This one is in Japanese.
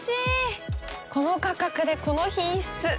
この価格でこの品質！